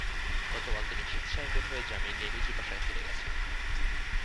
গতকাল তিনি স্বেচ্ছায় বের হয়ে জামিন নিয়ে নিজ বাসায় ফিরে গেছেন।